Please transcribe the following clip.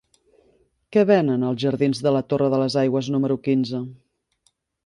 Què venen als jardins de la Torre de les Aigües número quinze?